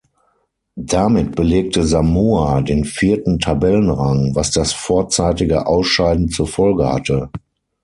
Damit belegte Samoa den vierten Tabellenrang, was das vorzeitige Ausscheiden zur Folge hatte.